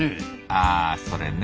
あそれね。